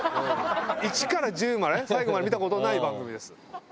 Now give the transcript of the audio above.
１から１０まで最後まで見た事ない番組です。